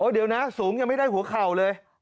เดี๋ยวนะสูงยังไม่ได้หัวเข่าเลย